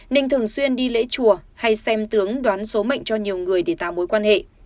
ninh thường xuyên đi lễ chùa hay xem tướng đoán số mệnh cho nhiều người để tạo mối quan hệ